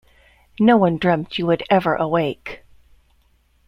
No one dreamt you would ever awake.